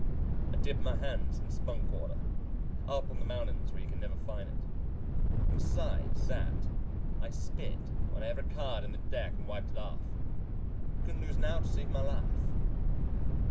I dipped my hands in spunk water, up on the mountain where you can never find it, and besides that I spit on ever' card in this deck and wiped it off. Couldn't lose now to save my life."